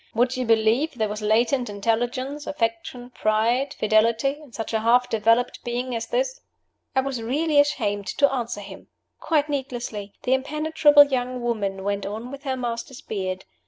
Would you believe there was latent intelligence, affection, pride, fidelity, in such a half developed being as this?" I was really ashamed to answer him. Quite needlessly! The impenetrable young woman went on with her master's beard.